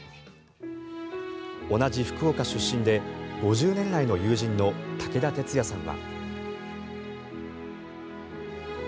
同じ福岡出身で５０年来の友人の武田鉄矢さんは。